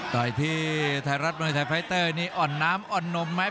ต่อยที่ไทยรัฐมวยไทยไฟเตอร์นี้อ่อนน้ำอ่อนนมไหม